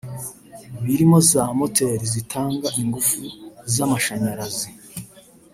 birimo za moteurs zitanga ingufu z’amashanyarazi